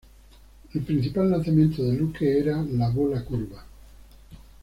El principal lanzamiento de Luque era la bola curva.